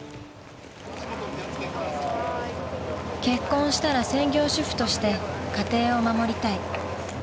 ［結婚したら専業主婦として家庭を守りたい］